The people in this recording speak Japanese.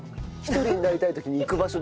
１人になりたい時に行く場所